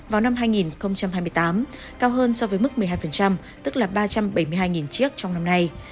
vào năm hai nghìn hai mươi tám cao hơn so với mức một mươi hai tức là ba trăm bảy mươi hai chiếc trong năm nay